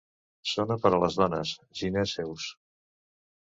Zones per a les dones, gineceus.